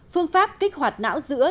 phương pháp kích hoạt não giữa